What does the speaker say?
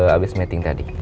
abis meeting tadi